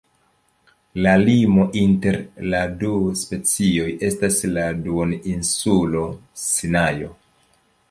La limo inter la du specioj estas la duoninsulo Sinajo.